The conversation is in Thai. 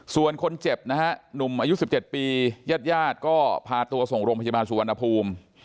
ส่วนคนเจ็บนะฮะหนุ่มอายุ๑๗ปีญาติญาติก็พาตัวส่งโรงพยาบาลสุวรรณภูมิ